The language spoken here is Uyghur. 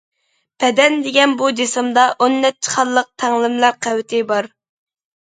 بەدەن دېگەن بۇ جىسىمدا ئون نەچچە خانىلىق تەڭلىمىلەر قەۋىتى بار.